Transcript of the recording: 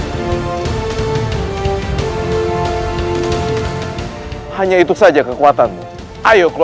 bagian tengah istana masih kosong